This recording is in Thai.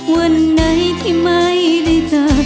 วันไหนที่ไม่ได้เจอ